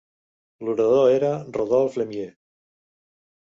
L'orador era Rodolphe Lemieux.